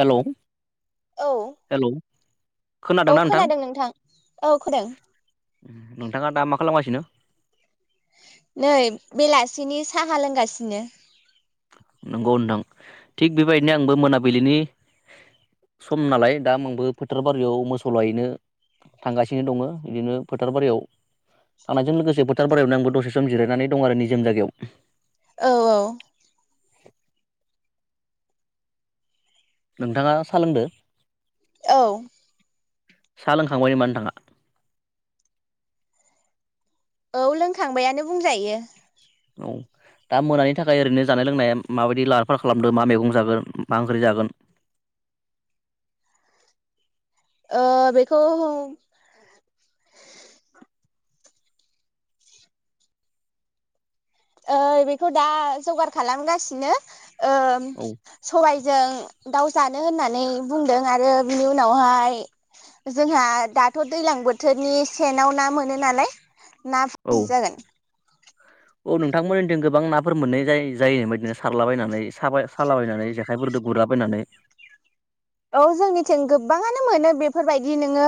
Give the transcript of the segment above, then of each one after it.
Hello औ hello औ खोनादों नोंथां, औ खोनादों । नोंथाङा दा मा खालामगासिनो? नै बेलासिनि साहा लोंगासिनो । नंगौ नोंथां थिग बेबायदिनो आंबो मोनाबिलिनि सम नालाय दा आंबो फोथार बारियाव मोसौ लायैनो थांगासिनो दङ बिदिनो फोथार बारियाव थांनायजों लोगोसे फोथार बारियावनो आंबो दसे सम जिरायनानै दं आरो निजोम जायगायाव । औ औ नोंथाङा सोलोंदो? औ साहा लोंखांबाय नामा नोंथाङा? औ लोंखांबायानो बुंजायो । औ दा मोनानि थाखाय ओरैनो जानाय लोंनाया माबायदि लाहार फाहार खालामदों मा मैगं जागोन मा ओंख्रि जागोन? ओ बेखौ ओइ बेखौ दा जगार खालामगासिनो ओ औ सबायजों दाउ जानो होननानै बुंदों आरो बिनि उनावहाय जोंहा दाथ दैलां बोथोरनि सेनाव ना मोनो नालाय ना औ फाजि जागोन । औ नोंथांमोननिथिं गोबां नाफोर मोननाय जा जायो बेबायदिनो सारलाबायनानै साबा सालाबायनानै जेखाइफोरजों गुरलाबायनानै औ जोंनिथिं गोबाङानो मोनो बेफोरबायदि नोङो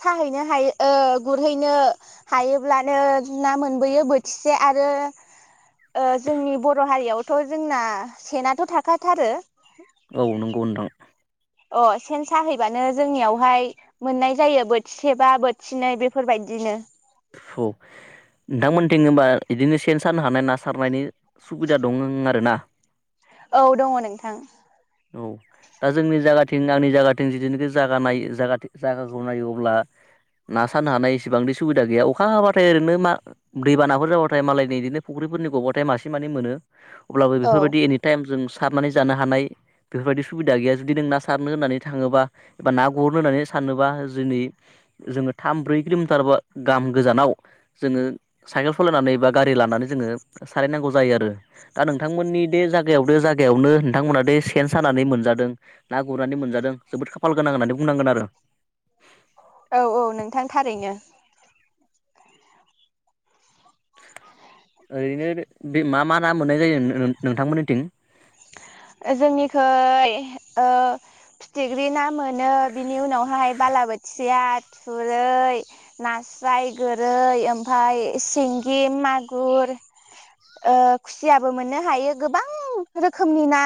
साहैनो हायो ओ गुरहैनो हायोब्लानो ना मोनबोयो बोथिसे आरो ओ जोंनि बर हारियावथ जोंना सेनाथ थाखाथारो औ नंगौ नोंथां अ सेन साहैबानो जोंनियावहाय मोननाय जायो बोथिसेबा बोथिनै बेफोरबायदिनो । औ नोंथांमोनथिं होनबा इदिनो सेन सानो हानाय ना सारनायनि सुबिदा दं आरो ना? औ दङ नोंथां औ दा जोंनि जायगाथिं आंनि जायगाथिं जिदुनोखि जागा नायो जायगाखौ नायोबा अब्ला ना सानो हानाय एसेबांदि सुबिदा गैया अ अखा हाबाथाय ओरैनो मा दैबानाफोर जाबाथाय मालायनि बिदिनो फुख्रिफोरनि गबाथाय मासे मानै मोनो । अब्लाबो औ बेफोरबादि एनिटाइम जों सारनानै जानो हानाय बेफोरबायदि सुबिदा गैया जुदि नों ना सारनो होननानै थाङोबा एबा ना गुरनो होननानै सानोबा जुनै जोङो थाम ब्रै किलमिटारा गाम गोजानाव जोङो साइकेल सलायनानै बा गारि लानानै जोङो सारहैनांगौ जायो आरो दा नोंथांमोननि दे जगायाव दे जायगायावनो नोंथांमोना बेे सेन सानानै मोनजादों ना गुरनानै मोनजादों जोबोद खाफाल गोनां होननानै बुंनांगोन आरो । औ औ नोंथां थारैनो । ओरैनो बे मा मा ना मोननाय जायो नो-नोंथांमोननिथिं? जोंनिखै ओ फिथिग्रि ना मोनो बिनि उनावहाय बालाबोथिया थुरै नास्राय गोरै ओमफाय सिंगि मागुर ओ खुसियाबो मोननो हायो गोबां रोखोमनि ना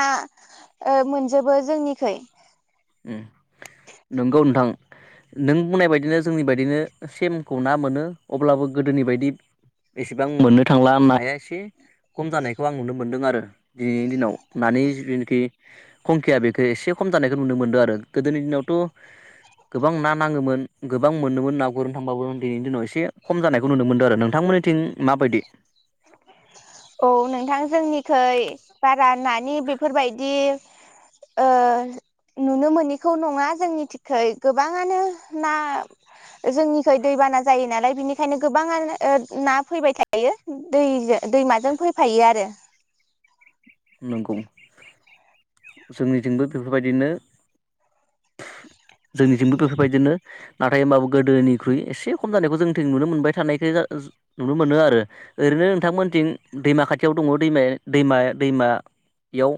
ओ मोनजोबो जोंनि खै । उम नंगौ नोंथां नों बुंनाय बायदिनो जोंनि बायदिनो सेमखौ ना मोनो अब्लाबो गोदोनि बायदि एसेबां मोननो थांला नाया एसे खम जानायखौ आं नुनो मोनदों आरो दिनैनि दिनाव नानि जिथुनाखि खंखिया बेखौ एसे खम जानायखौ नुनो मोनदो आरो गोदोनि दिनावथ गोबां ना नाङोमोन गोबां मोनोमोन ना गुरनो थांबाबो दिनैनि दिनाव इसे खम जानायखौ नुनो मोनदों आरो नोंथांमोननिथिं माबायदि? औ नोंथां जोंनिखै बागै नानि बेफोरबायदि ओ नुनो मोनैखौ नङा जोंनिथिखै गोबाङानो ना जोंनिखै दैबाना जायो नालाय बिनिखायनो गोबाङानो ओ ना फैबाय थायो दैजो दैमा जों फैफायो आरो। नंगौ जोंनिथिंबो बेफोरबायदिनो। जोंनिथिंबो बेफोरबायदिनो। नाथाय होनोमबाबो गोदोनिख्रुइ एसे खम जानायखौ जोंथिं नुनो मोनबाय थानायखो नुनो मोनो आरो ओरैनो नोंथांमोनथिं दैमा खाथियाव दङ दैमा दैमा दैमायाव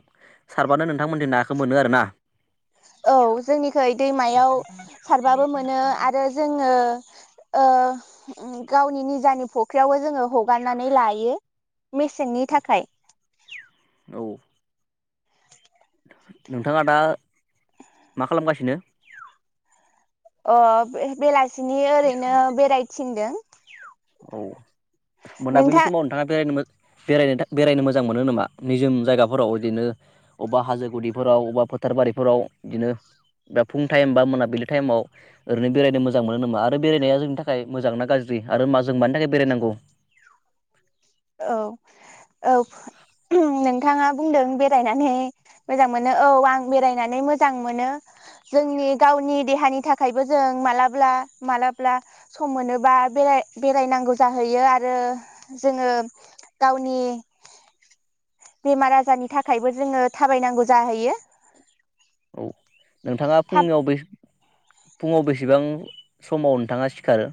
सारबानो नोंथांमोननिथिं नाखौ मोनो आरो ना? औ जोंनिखै दैमायाव सारबाबो मोनो आरो जों ओ ओ उम गावनि निजानि फुख्रियावबो जोङो हगारनानै लायो मेसेंनि थाखाय। औ। नोंथाङा दा मा खालामगासिनो? अ बे बेलासि सिनि ओरैनो बेेराय थिंदों। औ मोनाबिलि नोंथां समाव नोंथाङा बेरायनो मोजां बेरायनो बेरायनो मोजां मोनो नामा निजोम जायगाफोराव इदिनो अबेबा हाजो गुदिफोराव अबा फोथार बारिफोराव बिदिनो बा फुं टाइम बा मोनाबिलि टाइमाव ओरैनो बेरायनो मोजां मोनो नामा आरो बेरायनाया जोंनि थाखाय मोजां ना गाज्रि? आरो मा जों मानि थाखाय बेरायनांगौ। औ। औ नों थाङा बुंदों बेरायनानै मोजां मोनो औ आं बेरायनानै मोजां मोनो जोंनि गावनि देहानि थाखायबो जों मालाब्ला मालाब्ला सम मोनोबा बेराय बेरायनांगौ जाहैयो आरो जोङो। गावनि बेमार आजारनि थाखायबो जोङो थाबायनांगौ जाहैयो। औ। नोंथाङा थाब फुंनियाव बे फुङाव बेसेबां समाव नोंथाङा सिखारो।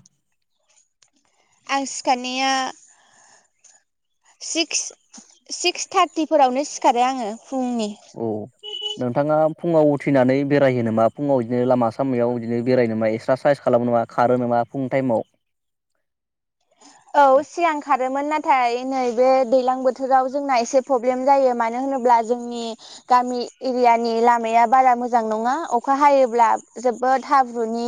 आं सिखारनाया। सिक्स सिक्स थारटिफोरावनो सिखारो आङो। फुंनि औ नोंथाङा फुङाव उथिनानै बेरायो नामा फुङाव इदिनो लामा सामायाव इदिनो बेरायो ना मायो एक्सारसाइस खालामो नामा खारो नामा फुं टाइमाव? औ सिगां खारोमोन नाथा नाथाय नैबै दैलां बोथोराव जोंना एसे प्रब्लेम जायो मानो होनोब्ला जोंनि गामि एरियानि लामाया बारा मोजां नङा अखा हायोब्ला जोबोद हाब्रुनि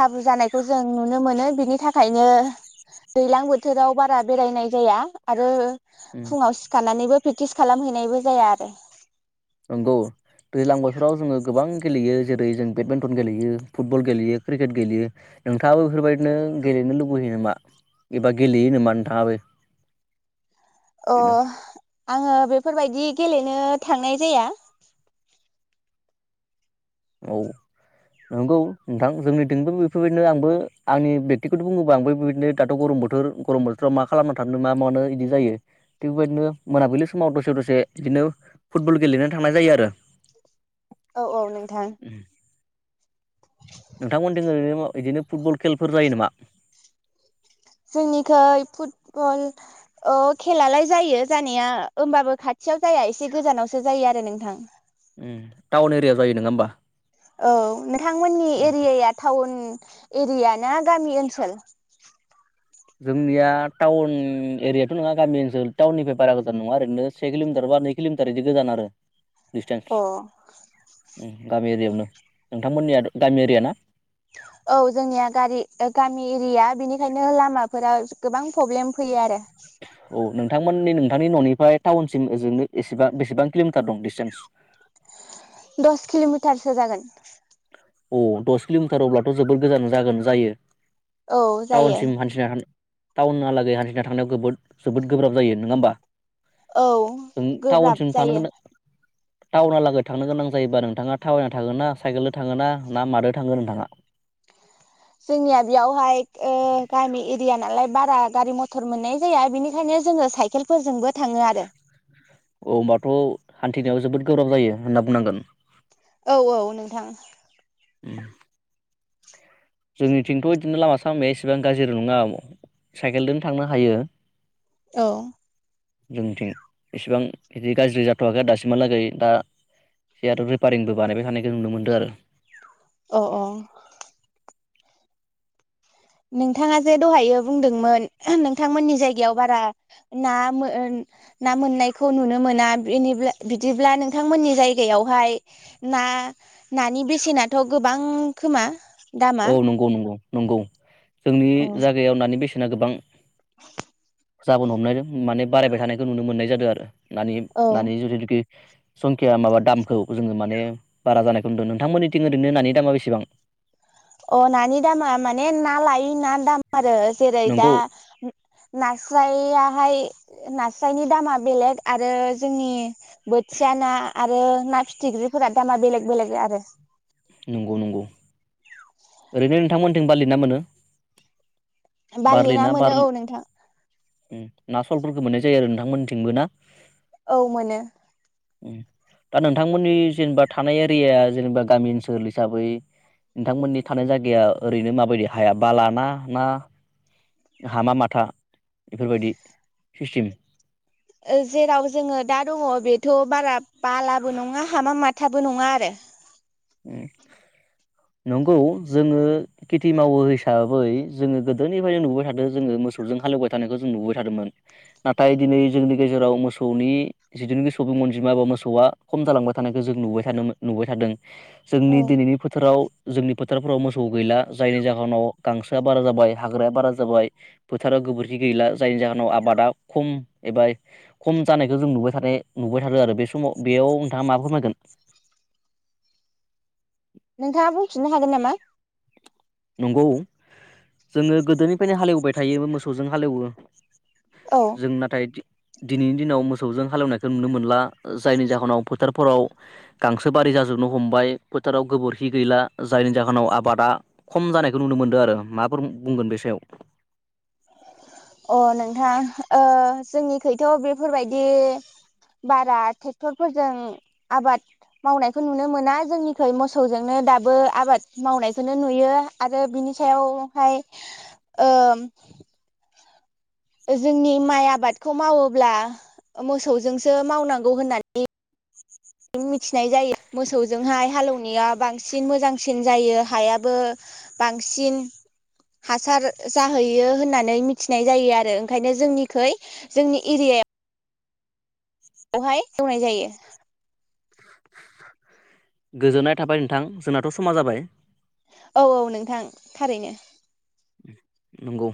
हाब्रु जानायखौ जों नुनो मोनो बिनि थाखायनो। दैलां बोथोराव बारा बेरायनाय जाया आरो उम फुङाव सिखारनानैबो प्रेक्टिस खालामहैनायबो जाया आरो। नंगौ दैलां बोथोराव जोङो गोबां गेलेयो जेरै जों बेडमिन्टन गेलेयो फुटबल गेलेयो क्रिकेट गेलेयो नोंथाङाबो बेफोरबायदिनो गेलेनो लुबैैयो नामा एबा गेलेयो नामा नोंथाङाबो। बिदिनो अह । आङो बेफोरबायदि गेलेनो थांनाय जाया। औ नंगौ नोंथां जोंनिथिंबो बेफोरबायदिनो आंबो आंनि बेक्तिखौथ बुङोबा आंबो बेबदिनो दाथ गरम बोथोर गरम बोथोराव मा खालामना थानो मा मानो बिदि जायो थिग बेबायदिनो मोनाबिलि समाव दसे दसे बिदिनो फुटबल गेलेनानै थांनाय जायो आरो। औ औ नों थां नोंथां मोनथिं ओरैनो बिदिनो फुटबल खेलफोर जायो नामा? जोंनिखै फुटबल ओ खेलालाय जायो जानाया होमबाबो खाथियाव जाया एसे गोजानावसो जायो आरो नोंथां। उम टाउन एरियायाव जायो नङा होमबा। औ नोंथांमोननि एरियाया टाउन एरिया ना गामि ओनसोल जोंनिया टाउन एरियाथ नङा गामि ओनसोल टाउननिफ्राय बारा गोजान नङा ओरैनो से किलमिटार बा नै किलमिटार बिदि गोजान आरो। अ उम गामि एरिआवनो नोंथांमोननिया गामि एरिया ना? औ जोंनिया गारि गामि एरिया बेनिखायनो लामाफोराव गोबां प्रब्लेम फैयो आरो। औ नों थांमोननि नोंथांनि ननिफाय टाउनसिम ओजोंनो एसेबां बेसेबां किलमिटार दं डिस्टेन्स? दस किलमिटारसो जागोन। अ दस किलमिटार अब्लाथ जोबोद गोजान जागोन जायो। औ जायो टाउनसिम हानथिना टाउनहालागै हान्थिना थांनो गोबोद जोबोद गोब्राब जायो नङा होमबा? औ गोब्राब जायो। टाउना लागै थांनो गोनां जायोबा नोंथाङा थाबायना थागोन ना साइकेलजों थाङो ना ना मादो थांगोन नोंथाङा? जोंनिया बेयावहाय ओ गामि एरिया नालाय बारा गारि मथर मोननाय जाया बेनिखायनो जोङो साइकेलफोरजोंबो थाङो आरो अ होबाथ हान्थिनायाव जोबोद गोब्राब जायो होनना बुंनांगोन। औ औ नोंथां उम जोंनिथिंथ बिदिनो लामा सामाया इसेबां गाज्रि नङा साइकेलजों थांनो हायो। औ जोंथिं इसिबां बिदि गाज्रि जाथयाखै आरो दासिमहालागै दा एसे आरो रिपारिंबो बानायबाय थानायखौ नुनो मोनदों आरो अ अ नोंथाङा जे दहायो बुंदोंमोन नोंथांमोननि जायगायाव बारा नामोन ना मोननायखौ नुनो मोना बिनिब्ला बिदिब्ला नोंथांमोननि जायगायावहाय ना नानि बेसेनाथ गोबां खोमा? दामा औ नंगौ नंगौ नंगौ जोंनि जायगायाव नानि बेसे ना गोबां जाबोनो हमनायदों माने बारायबाय थानायखौ नुनो मोननाय जादों आरो नानि औ नानि जुरिगि संखया माबा दामखौ जोङो माने बारा जानायखौ नुदों नोंथांमोननिथिं ओरैनो नानि दामा बेसेबां? अ नानि दामा माने ना लायो ना दाम आरो जेरै दा नंगौ नास्राया बाहाय नास्रायनि दामा बेलेग आरो जोंनि बोथिया ना आरो ना फिथिख्रिफोरा दामा बेलेग बेलेग आरो नंगौ नंगौ ओरैनो नोंथांमोनथिं बारलिना मोनो? बारलि ना मोनो औ नोंथां उम ना सलफोरखौ मोननाय जायो आरो नोंथांमोननिथिंबो ना? औ मोनो ए दा नोंथांमोननि जेनेबा थानाय एरियाया जेनेबा गामि ओनसोल हिसाबै नोंथांमोननि थानाय जायगाया ओरैनो माबायदि हाया बालाना ना हामा माथा बेफोरबायदि सिस्टेम। ओ जेराव जोङो दा दङ बेथ बारा बालाबो नङा हामा माथाबो नङा आरो उम नंगौ जोङो खेथि मावो हिसाबै जोङो गोदोनिफ्रायनो नुबाय थादों जोङो मोसौजों हालेवबाय थानायखौ जों नुबाय थादोंमोन नाथाय दिनै जोंनि गेजेराव मोसौनि जिथुनिखि सुबुं अनजिमा एबा मोसौआ खम जालांबाय थानायखौ जों नुबाय थानोमो नुबाय थादों। औ जोंनि दिनैनि फोथाराव जोंनि फोथारफोराव मोसौ गैला जायनि जाहोनाव गांसोआ बारा जाबाय हाग्राया बारा जाबाय फोथाराव गोबोरखि गैला जायनि जाहोनाव आबादा खम एबा खम जानायखौ जों नुबाय थानाय नुबाय थादों आरो बे समाव बेयाव नोंथाङा मा फोरमायगोन? नोंथाङा बुंफिननो हागोन नामा? नंगौ जोङो गोदोनिफ्रायनो हालेवबाय थायोबो मोसौजों हालेवो औ जों नाथाय दि दिनैनि दिनाव मोसौजों हालेवनायखौ नुनो मोनला जायनि जाहोनाव फोथारफोराव गांसो बारि जाजोबनो हमबाय फोथाराव गोबोरखि गैला जायनि जाहोनाव आबादा खम जानायखौ नुनो मोनदों आरो माफोर बुंगोन बे सायाव? अ नोंथां ओ जोंनि खैथ बेफोरबायदि बारा ट्रेक्टरफोरजों आबाद मावनायखौ नुनो मोना जोंनिखै मोसौजोंनो दाबो आबाद मावनायखौनो नुयो आरो बिनि सायावहाय ओम जोंनि माइ आबादखौ मावोब्ला मोसौजोंसो मावनांगौ होननानै मिथिनाय जायो मोसौजोंहाय हालौनाया बांसिन मोजांसिन जायो हायाबो बांसिन हासार जाहैयो होननानै मिथिनाय जायो आरो ओंखायनो जोंनिखै जोंनि एरियायाव अहाय एवनाय जायो। गोजोननाय थाबाय नोंथां जोंनाथ समा जाबाय औ औ नोंथां थारैनो। नंगौ।